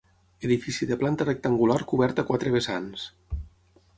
Edifici de planta rectangular coberta a quatre vessants.